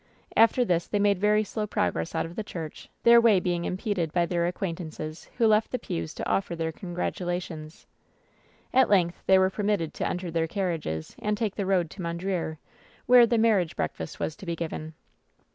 . After this they made very slow progress out of the k 286 WHEN SHADOWS DIE church, their way being impeded by their acquaintances, who left the pews to offer their congratulations. At length they were permitted to enter their carriages and take the road to Mondreer, where the marriage breakfast was to be given.